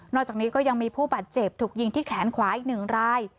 นอกจากนี้ก็ยังมีผู้บัตรเจ็บถูกยิงที่แขนขวายอีกหนึ่งราย